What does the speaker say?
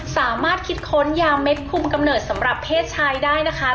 สามารถคิดค้นยาเม็ดคุมกำเนิดสำหรับเพศชายได้นะคะ